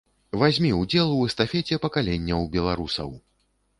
Вазьмі ўдзел у эстафеце пакаленняў беларусаў.